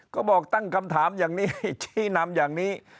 ก็บอกตั้งคำถามอย่างนี้ชี้นำอย่างนี้